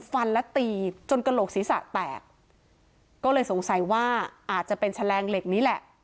ฟันและตีจนกระโหลกศีรษะแตกก็เลยสงสัยว่าอาจจะเป็นแฉลงเหล็กนี้แหละ